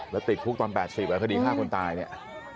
แล้วติดคุกตอน๘๐แล้วคดีฆ่าคนตายเนี่ย